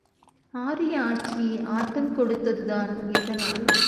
ஆரிய ஆட்சி ஆட்டம் கொடுத்ததுதான் எதனால்?